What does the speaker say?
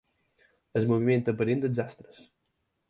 El moviment aparent dels astres.